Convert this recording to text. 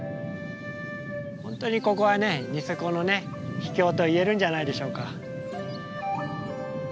本当にここはねニセコの秘境と言えるんじゃないでしょうか。